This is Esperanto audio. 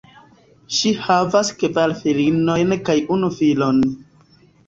Ŝi havas kvar filinojn kaj unu filon.